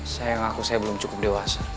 saya mengaku saya belum cukup dewasa